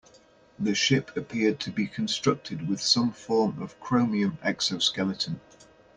The ship appeared to be constructed with some form of chromium exoskeleton.